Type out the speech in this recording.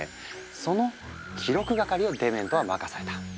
その記録係をデメントは任された。